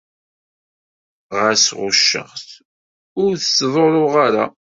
Ɣas ɣucceɣ-t, ur t-ttḍurruɣ ara.